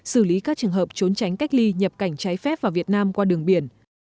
xử lý các trường hợp trốn tránh cách ly nhập cảnh trái phép vào việt nam qua đường biển